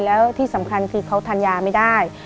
แล้วที่สำคัญคือเขาทานยาไม่ได้